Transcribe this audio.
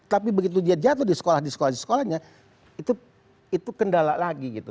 tapi begitu dia jatuh di sekolah sekolahnya itu kendala lagi gitu